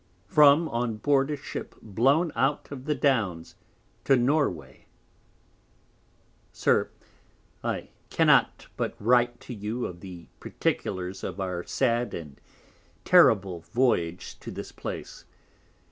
From on board a Ship blown out of the Downs to Norway. SIR, I cannot but write to you of the Particulars of our sad and terrible Voyage to this Place.